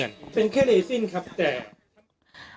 เป็นแค่เลสินครับแต่